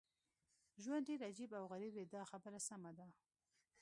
ژوند ډېر عجیب او غریب دی دا خبره سمه ده.